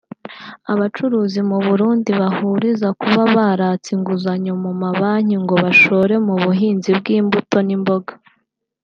Abacuruzi mu Burundi bahuriza ku kuba baratse inguzanyo mu mabanki ngo bashore mu buhinzi bw’imbuto n’imboga